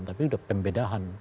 tapi sudah pembedahan